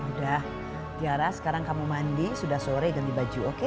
udah tiara sekarang kamu mandi sudah sore ganti baju oke